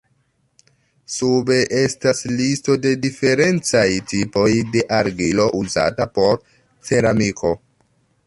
Sube estas listo de diferencaj tipoj de argilo uzata por ceramiko.